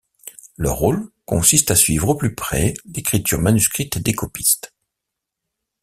Leur rôle consiste à suivre au plus près l’écriture manuscrite des copistes.